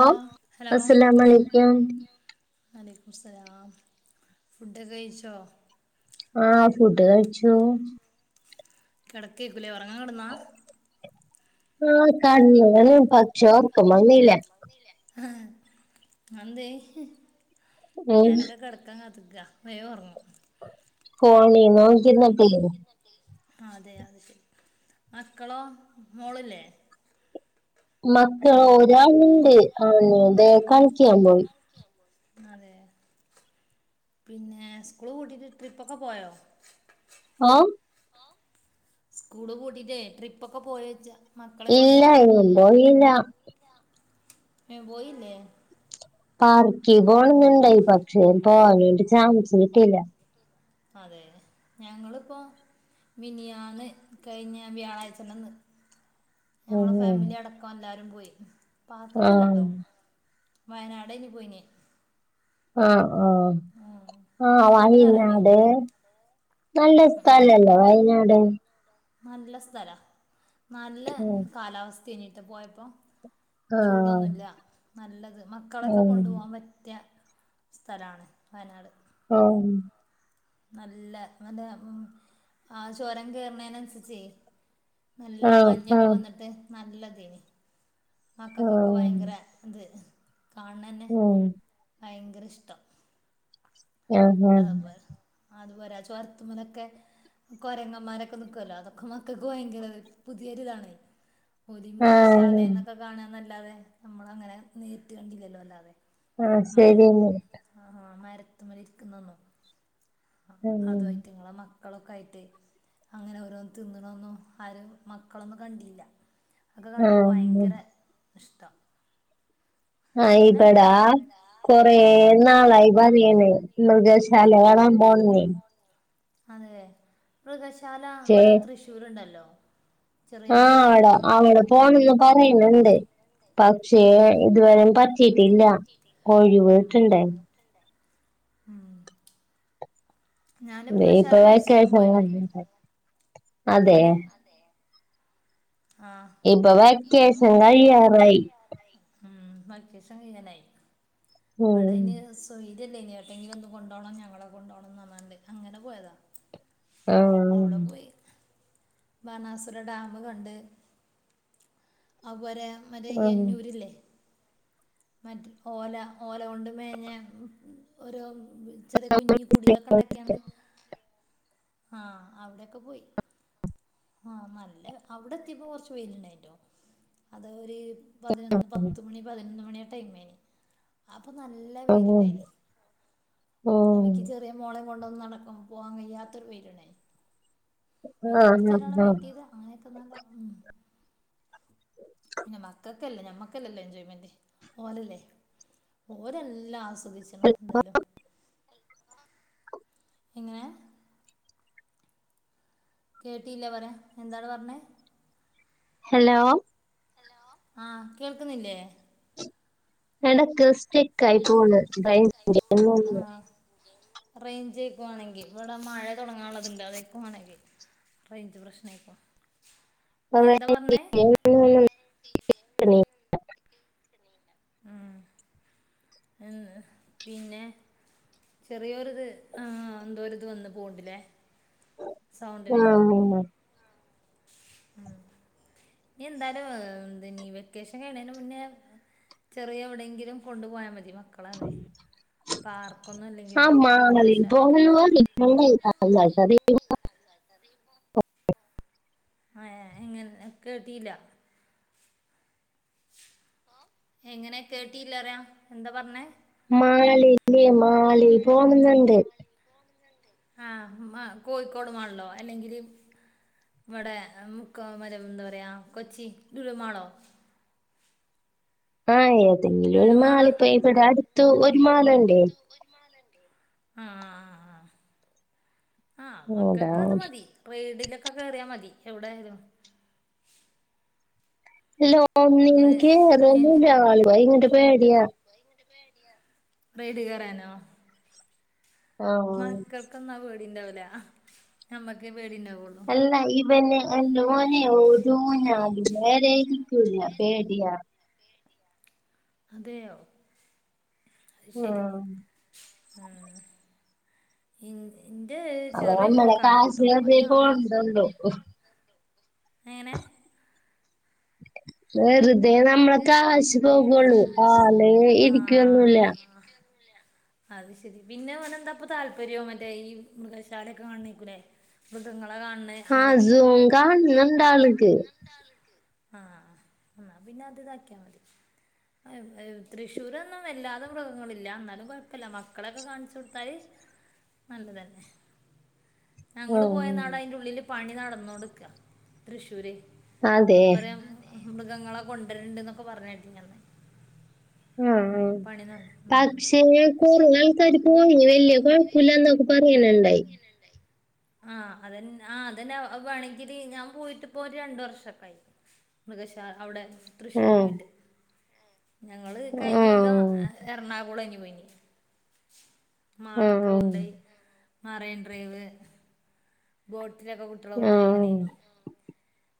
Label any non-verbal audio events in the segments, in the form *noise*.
ഓ അസ്സലാമു അലൈകും വലൈകുംമുസ്സലാം ഫുഡൊക്കെ കഴിച്ചോ ആഹ് ഫുഡ് കഴിച്ചു കിടക്കേക്കുംലേ ഉറങ്ങാൻ കിടുന്നാ ആഹ് കടങ്ങിന് പക്ഷേ ഒറക്കം വന്നില്ല ആഹ് അത് എന്തേ ഉം ഞാനൊക്കെ കിടക്കാൻ കാത്ത്ക വേം ഉറങ്ങും ഫോണി നോക്കി ഇരുന്നാപെയ് ഇരുന്നപായ്, അതെ അതെ മക്കളോ മോളില്ലേ മക്കള് ഒരാളുണ്ട് അവന് ഇതേ കളിക്കിയാൻ പോയി അതെ പിന്നെ സ്കൂള് പൂട്ടിട്ട് ട്രിപ്പൊക്കെ പോയോ ഓ സ്കൂള് പൂട്ടിട്ടേ ട്രിപ്പൊക്കെ പോയോ ചോയ്ച്ച മക്കളെ കൊണ്ട് ഇല്ല ഇ എങ്ങും പോയില്ല ഏ പോയില്ലേ പാർക്കി പോണംന്നുണ്ടായി പക്ഷേ പോകാൻ വേണ്ടി ചാൻസ് കിട്ടില്ല അതെ ഞങ്ങളിപ്പോ മിനിയാന്ന് കഴിഞ്ഞ വ്യാഴാഴ്ചന്റെ അന്ന് ഞങ്ങള ഉം ഫാമിലി അടക്കം എല്ലാരും പോയി പാർക്ക്ക്ക് ആഹ് അല്ലട്ടോ വയനാട് ഏന് പോയിനെ ആഹ് ആഹ് ഉം ആഹ് അവിടെക്കെ ഒന്ന് കറങ്ങി വായനാട് നല്ല സ്ഥലല്ലോ വയനാട് നല്ല സ്ഥല നല്ല ഉം കാലാവസ്ഥ ഇനിട്ട് പോയപ്പോ ആഹ് ചൂടൊന്നുല്ല നല്ലത് മക്കളൊക്കെ ഉം കൊണ്ടുപോവാൻ പറ്റിയ സ്ഥലണ് വയനാട് ഓ നല്ല എന്താ ഉം ആഹ് ചോരം കേറുന്നേന്ന് അന്സരി ച്ചേ, നല്ല ആഹ് മഞ്ഞൊക്കെ ആഹ് വന്നിട്ട് നല്ല ഇതെനി മക്കക്കൊക്കെ ഉം ഭയങ്കര ഇത് കാണ്ണന്നെ ഉം ഭയങ്കര ഇഷ്ടം ആഹ് അത പോ അതുപോലെ ചോർത്തുമ്പന്നൊക്കെ കൊരങ്ങമാരൊക്കെ നിക്കുവല്ലോ അതൊക്കെ മക്കൾക്ക് ഭയങ്കര പുതിയൊരി ഇതാണ് ഓല് മൃഗശാല ആഹ് എന്നൊക്കെ കാണാന്നലത്തെ നമ്മള് അങ്ങനെ നേരിട്ട് കണ്ടില്ലല്ലോ അല്ലാതെ ആ മര ശരിയെന്നാ ആഹ് മരത്ത ഇരിക്കുന്നൊന്നു ആഹ് അതും ഉം ആയിറ്റങ്ങളെ മക്ക മക്കളൊക്കെ ആയിട്ട് അങ്ങനെ ഓരോന്ന തിന്നണമന്നും ആരും മക്കളൊന്നും കണ്ടില്ല ഒക്കെ കണ്ടപ്പോ ആഹ് ഭയങ്കര ഇഷ്ട്ടം ആഹ് ഇബടാ കൊറേ നാളായി പതിയണ് മൃഗശാല *unintelligible* അതെ മൃഗശാല പക്ഷേ ഇവിടെ തൃശ്ശൂര്ണ്ടല്ലോ ആഹ് അട അവടെ പോണന്ന് പറയണണ്ട് പക്ഷേ ഉം ഇതുവരേം പറ്റീട്ടില്ല ഒഴിവ് ഉം കിട്ടണ്ടെ ഉം ഞാന് മൃഗശാല മൈസൂരും പോയിണ് *unintelligible* എങ്ങനെ ആഹ് ഇപ്പൊ വെക്കേഷൻ കഴിയാറായി ഉം മക്കിസ കയ്യാനായി ഉം മ്മടായി ന്‌സ്‌ സൊയിര്യല്ലേയിനി ഏട്ടെങ്കിലും ഒന്ന് കൊണ്ടോണം ഞങ്ങളെ കൊണ്ടോണം പറഞ്ഞാണ്ട് അങ്ങനെ പോയതാ ആഹ് അവിടെ പോയി ബണാസുര ഡാമ് കണ്ട് അത് പോരെ മറ്റേ ഉം എന്നൂരില്ലേ മറ്റ് ഓല ഓല കൊണ്ട് മേഞ്ഞ ഓരോ ചെറിയ കുഞ്ഞി കുടിലൊക്കെ ഇണ്ടാക്കിയാണ്ട് ആഹ് അവിടെയെക്കെ പോയി ആഹ് നല്ല അവിടെത് ത്തിയപ്പോ കൊറച്ച് വെയിലിണ്ടായിട്ടോ അതാ ഒര് പതിനൊന്ന് പത്ത് മണി പതിനൊന്ന് മണിയാ ടൈമയിന് അപ്പൊ നല്ല ഉം വെയില്ണ്ടായിനി ഉം *unintelligible* ചെറിയ മോളെ കൊണ്ടൊന്ന് നടക്കും പോവാൻ കയ്യാത്ത ഒരു വെയില്ണ്ടായിനി പിന്നെ ആഹ് കൊറച്ചേരം ആടെ ആഹ് ആഹ് വെയിറ്റ് ചെയ്ത് അങ്ങനെയൊക്കെ നല്ല ഉം പിന്നെ മക്കക്കല്ലേ ഞമ്മക്കല്ലല്ലോ എൻജോയ്മെന്റ് ഓലല്ലേ ഓരെല്ലാം ആസ്വദിച്ചണ് എന്തായാലും എങ്ങനെ കേട്ടീല്ലാ പറാ എന്താ പറഞ്ഞെ ഹലോ ഹലോ ആഹ് കേൾക്കുന്നില്ലേ എടക്ക് സ്റ്റക്ക് ആയി പോണ് റെയിഞ്ചിൻ്റെയാ തോന്ന് റേയ്ഞ്ച്ക്കുവാണെങ്കി ഇവിടെ മഴ തുടങ്ങാനുള്ളതുണ്ട് അതക്കുവാണെങ്കി റേയിഞ്ച് പ്രശ്നായിക്കും *unintelligible* ഉം ഉം പിന്നെ ചെറിയോരു ഇത് ആഹ് എന്തോ ഒരു ഇത് വന്ന് പോണ്ട്ല്ലേ ആഹ് ഇനി എന്തായാലും എന്തെനി വെക്കേഷൻ കഴിയണേന് മുന്നേ ചെറിയ എവിടെയെങ്കിലും കൊണ്ടു പോയാ മതി മക്ക് മക്ക *unintelligible* പാർക്കൊന്നും ഇല്ലെങ്കിലും മൃഗശാലൊക്കെ ഇപ്പണ്ട് *unintelligible* *unintelligible* അത് *unintelligible* ഏഹ് എങ്ങനെ കേട്ടീല്ലാ ഓഹ് എങ്ങനെ കേട്ടില്ലാ പറയാ എന്താ പറഞ്ഞേ? മാലിബി മാലിബോ പോകുന്നുണ്ട് ആഹ് മാ കോഴിക്കോട് മാളിലോ അല്ലെങ്കില് ഇവിടെ മുക്കം അല്ല എന്താ പറയാ കൊച്ചി ലുലുമാളൊ ആഹ് ഏതെങ്കിലും ഒരു ലുലുമാള മാളിപ്പോയി ഇവിടെ അടുത്ത് ഒരു മാള് ഇണ്ടേ ഒരു മാള് ഇണ്ടേ ആഹ് ആഹ് ആഹ് ആഹ് ആഹ് അതാ മക്കക്ക് അത് മതി റെയ്ഡിലൊക്കെ കേറിയാ മതി എവ്ടായാലും ഇല്ല ഒന്ന് ഒനിക്ക് അതൊന്നുല്ല ഓന് ഭയങ്കര പേടിയാ ഭയങ്കര പേടിയ ആഹ് മക്കൾക്കൊന്നും ആഹ് പേടിണ്ടാവൂല ഞമ്മക്കേ പേടിണ്ടാവൊള്ളു അല്ല ഈ പിന്നെ എൻ്റെ ഓനെ ഒര് ഉഞ്ഞാലിലും നേരെ നിക്കൂല പേടിയാ അതെയോ അയ് ശരി ആഹ് ആഹ് ഇൻ്റെ ഇന്റെ അപ്പൊ ചെറിയ നമ്മളെ മോൾക്ക് കാശ് അങ്ങനെട്ടോ വെറുതെ അയ്ന് പോണ്ടല്ലോ ന്നെ നെ വെറുതെ നമ്മളെ വെറുതെ കാശ് നമ്മളെ പോകുള്ളൂ കാശ് ആള് പോവൊള്ളൂ ഇരിക്കൊന്നുമില്ല ആഹ് അത് ശെരി പിന്നെ ഓന് എന്താപ്പം താല്പര്യം മറ്റേ ഈ മൃഗശാലക്കെ കാണ്ണേക്കൂലേ മൃഗങ്ങളെ കാണ് ആഹ് സും കാണണം ഉണ്ട് ആള്ക്ക് ആഹ് ആഹ് പിന്നെ അത് ഇതാക്കിയാ മതി തൃശ്ശൂരൊന്നും വല്ലാതെ മൃഗങ്ങളില്ല എന്നാലും കൊയപ്പല്ല മക്കളെക്കെ കാണിച്ചു ത്താല് നല്ലത് തന്നെ ആ, ഞങ്ങള് പോയ അന്ന് അതിന്റെ ഉള്ളില് പണി നടന്നോണ്ട് നിക്ക തൃശ്ശൂര് അതെ കൊറെ മൃഗങ്ങളെ കൊണ്ടുവരണ്ട് എന്നൊക്കെ പറഞ്ഞേട്ടീനി അന്ന് ആഹ് പണി നട ഉം. പക്ഷെ കൊറേ ആയിട്ട് ഒര് പോയി വല്യ കൊഴപ്പല്ല എന്നൊക്കെ പറയണണ്ടായി ആഹ് അതന്നെ ആഹ് അതന്നെ അത് വേണങ്കില് ഞാൻ പോയിട്ട് ഇപ്പോ ഒര് രണ്ട് വർഷൊക്കെ ആയി മൃഗശാ അവ്ടെ ആ തൃശ്ശൂര് പോയിട്ട് ഞങ്ങള് കയ്ഞ്ഞ ആ കൊല്ലം എറണാകുളേനി പോയിനിയ ആ മാളൊക്കെ കൊണ്ടോയി മറൈൻ ഡ്രൈവ് ബോട്ടിലൊക്കെ കുട്ടികളെ ആ കൊണ്ടോയി അങ്ങനെനി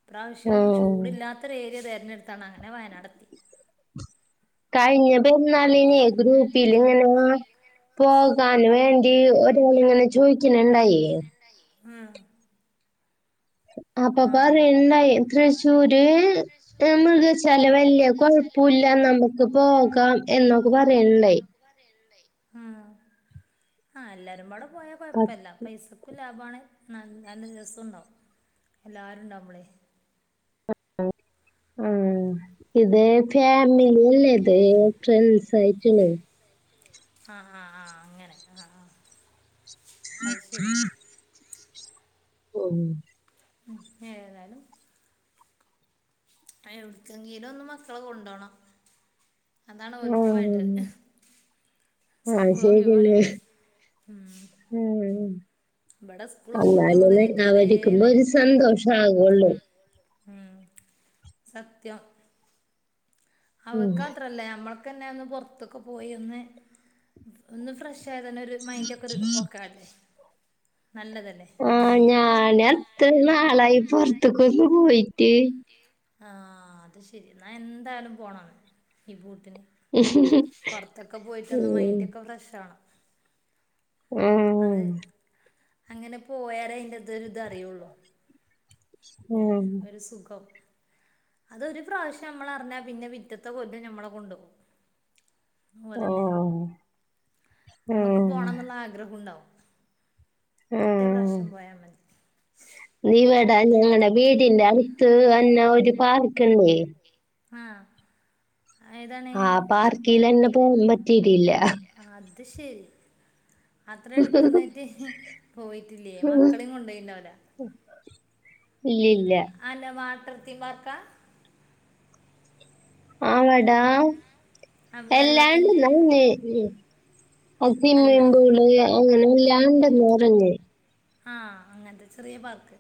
ഇപാവശ്യം ആ ചൂടില്ലാത്ത ത്ത ഒരു ഏരിയ തെരഞ്ഞെടുത്താണ് അങ്ങനെ വയനാടത്തി *inaudible* കഴിഞ്ഞ പെരുന്നാളിനെ ഗ്രൂപ്പില് ഇങ്ങനെ ഞങ്ങ പോകാന് വേണ്ടി ഒരങ്ങി *unintelligible* ചോയ്ക്കാണിണ്ടായെ ഉം അപ്പൊ ആഹ് പറയണ്ണ്ണ്ടായി തൃശ്ശൂര് മൃഗശാല വല്യ കൊഴപ്പുല്ല നമു ക്ക് പോകാം എന്നൊക്കെ പറയണ്ടായി ആഹ് ആഹ് എല്ലാരും പാടെ പോയാ പ- കൊഴപ്പല്ല പൈസക്കും ലാഭാണ് നല്ല രസമുണ്ടാകും എല്ലാരും ഉണ്ടാകുമ്പളെ ആഹ് ആഹ് ഇതേ ഫാമിലില്ലത് ഫ്രെണ്ട്സ് ആയിട്ടുള്ളത് ആഹ് ആഹ് ആഹ് അങ്ങനെ ആഹ് ആഹ് അത് ശരി *inaudible* ഓഹ് ഉം ഏതായാലും എ എവിടക്കെങ്കിലും ഒന്ന് മക്കളെ കൊണ്ടോണം അതാണ് ഓൽക്കും വേണ്ടത് അത് സ്കൂൾ ശരിയല്ലേ ഒഴിവല്ലേ ഉം ഉം ഇബടെ സ്കൂള് പൂട്ടിയ മുതല് എന്നാലെന്നെ ഇതുവരേ അവരിക്കുപ്പൊ ഒരു ഇതേനി സന്തോഷ ആകുള്ളൂ ഉം സത്യം ഉം അവർക്ക്‌ മാത്രല്ല നമ്മള്ക്കന്നെ ഒന്ന് പുറത്തൊക്കെ പോയി ഒന്ന് ഒന്ന് ഫ്രഷ്- ക്ഷേ തന്നെ ഒരു മൈൻഡ ഒക്കെ ഒരു ഓക്കെല്ലേ നല്ലതല്ലേ ആഹ് ഞാനത്ത് നാളായി പുറത്തേക്ക ക്കോ പോയി ആഹ് അത് ശെരി ന്നാ എന്തായാലും പോണം ഈ ബൂത്തിന് ഉം പുറത്തൊക്കെ പോയിട്ട് ഒന്ന് മൈൻഡ് ഒക്കെ ഫ്രഷ് ആകണം ഉം അത് അങ്ങനെ പോയാലേ അതിന്റെതൊ ഒരു ഇത് അറിയുള്ളു ഏഹ് ആഹ് ഒരു സുഖം അതൊരു പ്രാവശ്യം നമ്മൾ അറിഞ്ഞാ പിന്നെ പിറ്റേത്തെ കൊല്ലം നമ്മളെ കൊണ്ട്പോകും ഓലന്നെ ആഹ് നമ്മക്ക് ആഹ് പോണം എന്നുള്ള ആഗ്രഹണ്ടാവും ആഹ് മതി നീ എടാ ഞങ്ങടെ വീടി എന്റെ അടുത്ത് എന്നാ ഒരു പാർക്ക്ണ്ടേ ആഹ് ആഹ് പാർക്കിൽ തന്നെ പോകാൻ പറ്റിട്ടില്ല അത് ശരി അത്ര എടുത്തണ്ടായിട്ട് പോയിട്ടില്ലേ മക്കളെ കൊണ്ടോയിണ്ടാവ് ല ഇല്ല അല്ല വാട്ടർ തീം പാർക്കാ ആടാ ആ, വെള്ളത്തിൻ എല്ലാണ്ട് അല്ല അസ്വിമ്മിംഗ് പൂൾ അങ്ങനെല്ലാണ്ടന്ന് പറഞ്ഞ് ആഹ് അങ്ങനത്തെ ചെറിയ പാർക്ക്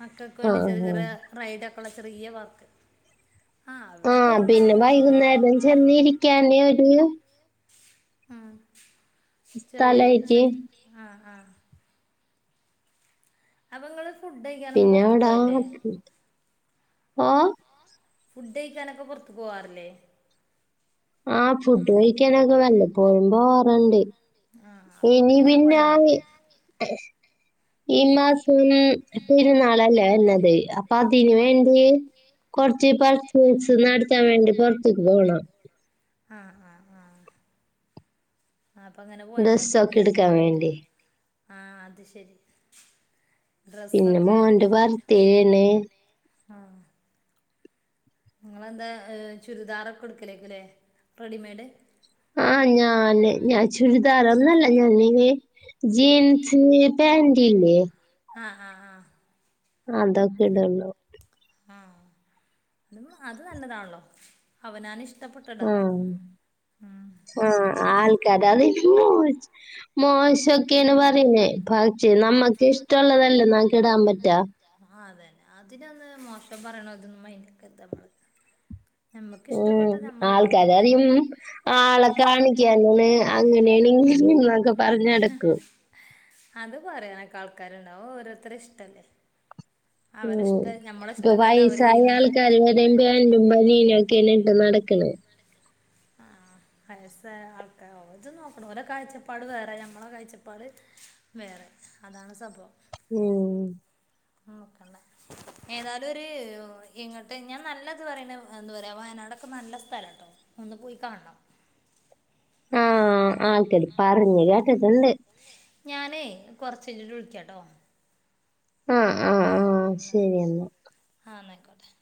മക്കൾക്ക് വേണ്ടി ആഹ് ചെറിയ ആഹ് ചെറിയ- റൈഡൊക്കെയുള്ള ചെറിയ പാർക്ക് ആ അവിടെയൊക്കെ ആഹ് കൊണ്ടുപോയാൽ പിന്നെ മതിയല്ലോ വൈകുന്നേരം ചെന്നിരിക്കാനേ ഒരു- ആ ചെറിയറിയൊരു സ്ഥലായിട്ട് സെറ്റ് ആഹ് ആഹ് അപ്പൊ ങ്ങള് ഫുഡ് കഴിക്കാനൊന്നും പിന്നെ പൊറത്ത്ക്ക്‌ അവടാ പോകൽ ഇല്ലേ ഓ ഫുഡ് കഴിക്കാനൊക്കെ പുറത്തുക്ക്‌ പോവാറില്ലേ? ആഹ് ഫുഡ് കഴിക്കാനൊക്കെ വെല്ലപ്പോഴും പോകാറുണ്ട് ആ അപ്പോൾ ഒക്കെ ഇനി ഇങ്ങനെ പിന്നെ ഞാ പോയാൽ മതി ഈ മാസം പെരുന്നാളല്ലേ വരുന്നത് അപ്പൊ അതിന് വേണ്ടി കുറച്ച് പർച്ചേസ് നടത്താൻ വേണ്ടി പുറത്ക്ക് പോകണം ആഹ് ആഹ് ആഹ് ആ അപ്പൊ അങ്ങനെ പോയാ മതി ഡ്രസ്സൊക്കെ എടുക്കാൻ വേണ്ടി ആ അത് ശരി ഡ്രെസ് പിന്നെ ഒക്കെ മോന്റെ ബർത്ത്ഡേന് ആഹ് നിങ്ങളെന്താ ചുരിദാറൊക്കെ എടുക്കലേക്കൽ അല്ലേ റെഡിമെയ്ഡ് ആഹ് ഞാൻ ഞാൻ ചുരിദാറോന്നല്ല ഞാനീ- ജീന്സ് പാന്റില്ലേ ആഹ് ആഹ് ആഹ് അതൊക്കെ ഇടള്ളൂ ആഹ് അതും അത് നല്ലതാണല്ലോ അവനാൻ ഇഷ്ടപ്പെട്ട ഇടാമല്ലോ ഉം ഉം ഉം ആൾക്ക് ര് അതെ മോശൊക്കെയു പറയനേ പക്ഷേ നമ്മുക്ക് ഇഷ്ടമുള്ളതല്ലേ നമക്ക് ഇടാൻ പറ്റാ ആ അതന്നെ അതിനൊന്ന് മോശം പറയണ ഇതൊന്നും ഇന്ക് ഇത നമ്മള ഉം ഇടണേ ആൾക്കാര അറും ആളെ കാണിക്കാനാണ് അങ്ങനെയാണ് ഇന്നൊക്കെ അത് പറയാനൊക്കെ ആൾക്കാരുണ്ടാവും ഓരോരുത്തര ഇഷ്ടല്ലേ ഉം. അവരിഷ്ട ഞമ്മള ഇഷ്ടല്ലല്ലോ അവര് ചെയ്യുന്നേ എയും പറും പനീനും ഒക്കെന്നെ ഇട്ട് നടക്കണ ആ വയസ ആൾക്കാ ഓത് നോക്കണം ഓരോ കാഴ്ചപ്പാട് വേറെ ഞമ്മളെ കാഴ്ചപ്പാട് വേറെ അതാണ് സംഭവം ഉം അഹ് നോക്കണ്ട ഏതാലും ഒരു ഇങ്ങോട്ട് ഞാൻ നല്ലത് പറയുന്ന എന്താ പറയാ വയനാടൊക്കെ നല്ല സ്ഥലം കേട്ടോ ഒന്ന് പോയി കാണണം ആൾക്കല് പറഞ്ഞു കേട്ടട്ടുണ്ട് ഞാനേ കൊറച്ച കഴിഞ്ട്ട് വിളിക്കാട്ടോ ആഹ് ആഹ് ആഹ് ശരിയന്നാ ആ ന്നായ്ക്കോട്ടെ